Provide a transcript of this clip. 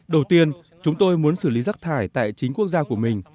đầu tiên chúng tôi muốn xử lý rác thải tại chính quốc gia của mình